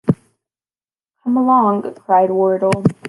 ‘Come along,’ cried Wardle.